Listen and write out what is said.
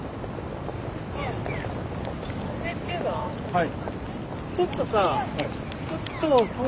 はい。